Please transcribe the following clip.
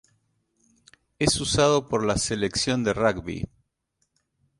Es usado por la selección de rugby.